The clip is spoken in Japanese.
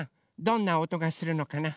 どんなおとがするのかな？